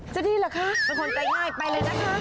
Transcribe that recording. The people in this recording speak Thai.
จะดีเหรอคะเป็นคนใจง่ายไปเลยนะคะ